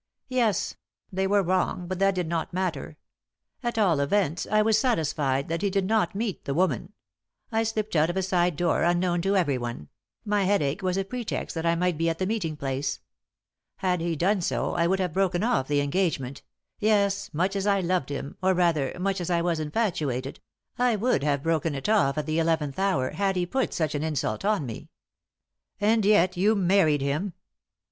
"Yes; they were wrong, but that did not matter. At all events, I was satisfied that he did not meet the woman. I slipped out of a side door unknown to everyone; my headache was a pretext that I might be at the meeting place. Had he done so, I would have broken off the engagement yes, much as I loved him, or rather, much as I was infatuated I would have broken it off at the eleventh hour had he put such an insult on me!" "And yet you married him?"